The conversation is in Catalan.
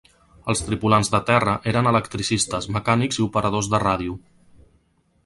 Els tripulants de terra eren electricistes, mecànics i operadors de ràdio.